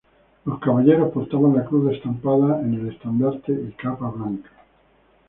Los caballeros portaban la cruz estampada en el estandarte y capa blanca.